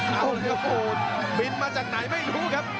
เอาเลยครับโอ้โหบินมาจากไหนไม่รู้ครับ